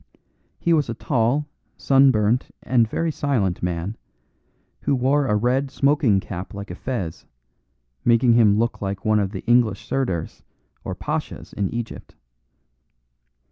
He was a tall, sunburnt, and very silent man, who wore a red smoking cap like a fez, making him look like one of the English Sirdars or Pashas in Egypt.